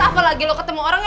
apalagi lo ketemu orangnya